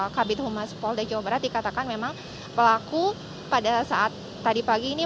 kabit humas polda jawa barat dikatakan memang pelaku pada saat tadi pagi ini